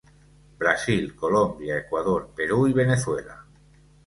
Brasil, Colombia, Ecuador, Perú y Venezuela.